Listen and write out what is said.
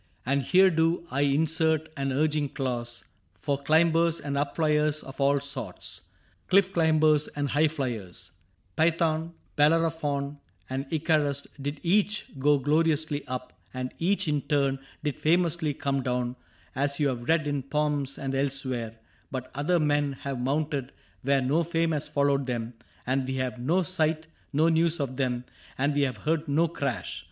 ^ And here do I insert an urging clause For climbers and up fliers of all sorts, CliflF climbers and high fliers : Phaethon, Bellerophon, and Icarus did each Go gloriously up, and each in turn Did famously come down — as you have read In poems and elsewhere; but other men Have mounted where no fame has followed them, And we have had no sight, no news of them, And we have heard no crash.